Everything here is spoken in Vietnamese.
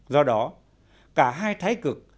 do đó cả hai thái cực